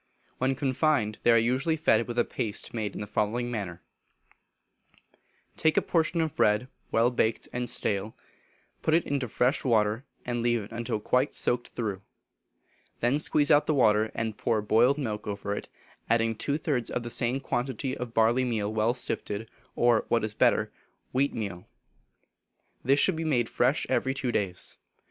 When confined, they are usually fed with a paste made in the following manner: Take a portion of bread, well baked and stale, put it into fresh water, and leave it until quite soaked through, then squeeze out the water and pour boiled milk over it, adding two thirds of the same quantity of barley meal well sifted, or, what is better, wheat meal. This should be made fresh every two days.